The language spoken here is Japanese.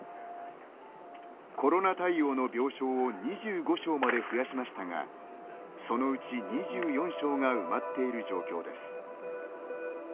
コロナ対応の病床を２５床まで増やしましたがそのうち２４床が埋まっている状況です。